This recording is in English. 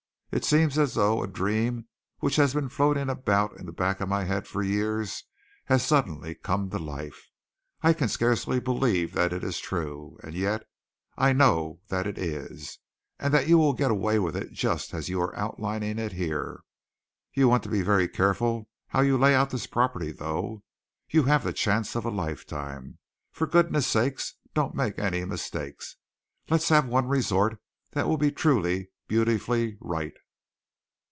"It seems as though a dream which had been floating about in the back of my head for years had suddenly come to life. I can scarcely believe that it is true, and yet I know that it is, and that you will get away with it just as you are outlining it here. You want to be very careful how you lay out this property, though. You have the chance of a lifetime. For goodness' sake, don't make any mistakes! Let's have one resort that will be truly, beautifully right."